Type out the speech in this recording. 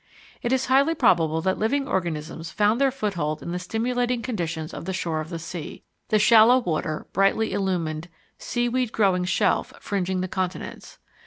It is highly probable that living organisms found their foothold in the stimulating conditions of the shore of the sea the shallow water, brightly illumined, seaweed growing shelf fringing the Continents.